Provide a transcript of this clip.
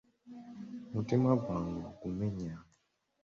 Omutima gwange ogumenya!